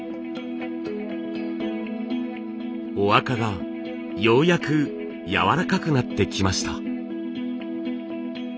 麻垢がようやくやわらかくなってきました。